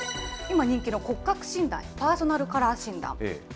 今人気の骨格診断、パーソナルカラー診断。